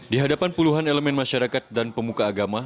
di hadapan puluhan elemen masyarakat dan pemuka agama